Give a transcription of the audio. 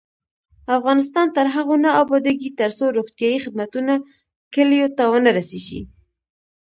افغانستان تر هغو نه ابادیږي، ترڅو روغتیایی خدمتونه کلیو ته ونه رسیږي.